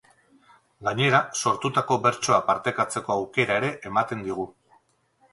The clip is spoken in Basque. Gainera, sortutako bertsoa partekatzeko aukera ere ematen digu.